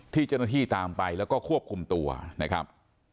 ที่เจ้าหน้าที่ตามไปแล้วก็ควบคุมตัวนะครับ